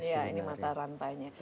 ya ini mata rantai nya